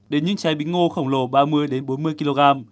đến những trái bí ngô khổng lồ ba mươi bốn mươi kg